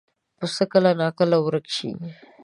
پسه کله ناکله ورک شي.